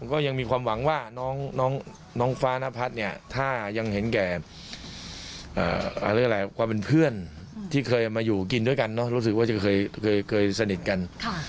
ก็ยังมีความหวังว่าน้องฟ้านพัฒน์เนี่ยถ้ายังเห็นแก่ความเป็นเพื่อนที่เคยมาอยู่กินด้วยกันเนอะรู้สึกว่าจะเคยสนิทกัน